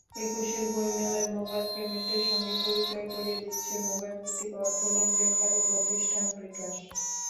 একুশের বইমেলায় মোবাইল পেমেন্টের সঙ্গে পরিচয় করিয়ে দিচ্ছে মোবাইলভিত্তিক অর্থলেনদেনকারী প্রতিষ্ঠান বিকাশ।